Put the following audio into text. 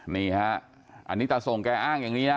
นี่ฮะอันนี้ตาส่งแกอ้างอย่างนี้นะ